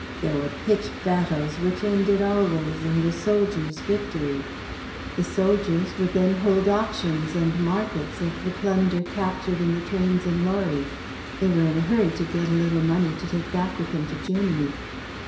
There were pitched battles which ended always in the soldiers' victory. The soldiers then would hold auctions and markets of the plunder captured in the trains and lorries. They were in a hurry to get a little money to take back with them to Germany.